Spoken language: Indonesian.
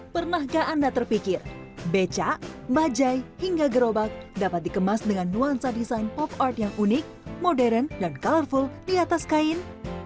pernahkah anda terpikir becak bajai hingga gerobak dapat dikemas dengan nuansa desain pop art yang unik modern dan colorful di atas kain